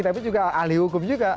tapi juga ahli hukum juga